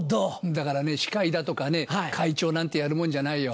だからね司会だとかね会長なんてやるもんじゃないよ。